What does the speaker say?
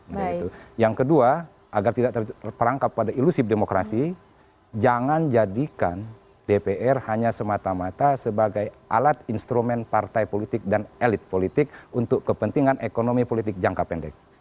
nah itu yang kedua agar tidak terperangkap pada ilusif demokrasi jangan jadikan dpr hanya semata mata sebagai alat instrumen partai politik dan elit politik untuk kepentingan ekonomi politik jangka pendek